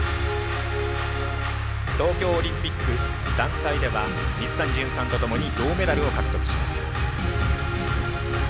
東京オリンピック団体では水谷隼さんとともに銅メダルを獲得しました。